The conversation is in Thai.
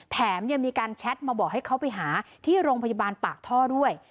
แถมยังมีการแชทมาบอกให้เขาไปหาที่โรงพยาบาลปากท่อด้วย